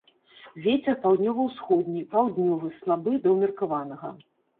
Вецер паўднёва-ўсходні, паўднёвы, слабы да ўмеркаванага.